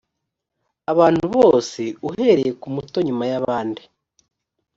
abantu bose uhereye ku muto hanyuma y abandi